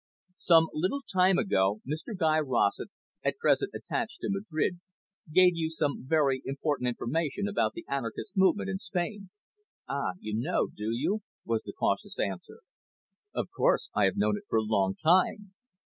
"Some little time ago, Mr Guy Rossett, at present attached to Madrid, gave you some very important information about the anarchist movement in Spain." "Ah, you know, do you?" was the cautious answer. "Of course, I have known it for a long time.